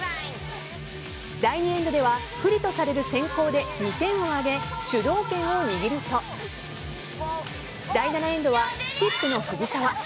第２エンドでは不利とされる先攻で２点を挙げ主導権を握ると第７エンドはスキップの藤澤。